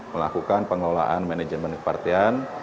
melakukan pengelolaan manajemen kepartian